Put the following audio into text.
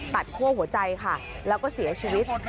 คั่วหัวใจค่ะแล้วก็เสียชีวิต